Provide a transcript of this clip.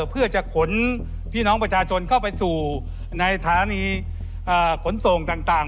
เพื่อจะขนพี่น้องประชาชนเข้าไปสู่ในฐานีขนส่งต่าง